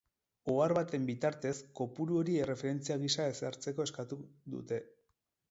Ohar baten bitartez, kopuru hori erreferentzia gisa ezartzeko eskatu dute.